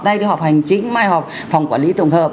đây đi họp hành chính mai họp phòng quản lý tổng hợp